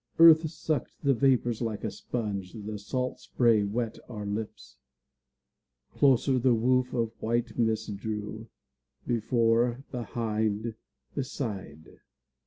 Earth sucked the vapors like a sponge, The salt spray wet our lips. Closer the woof of white mist drew, Before, behind, beside.